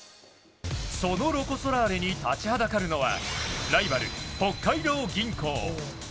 そのロコ・ソラーレに立ちはだかるのはライバル、北海道銀行。